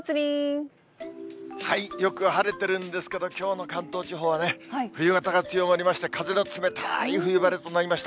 よく晴れてるんですけど、きょうの関東地方はね、冬型が強まりまして、風の冷たい冬晴れとなりました。